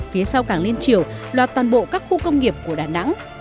phía sau cảng liên triều loạt toàn bộ các khu công nghiệp của đà nẵng